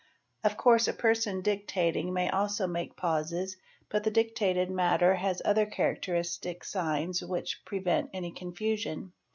Of course a person dictating may also make : pauses but the dictated matter has other characteristic signs which pre | vent any confusion.